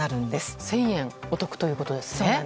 １０００円お得ということですね。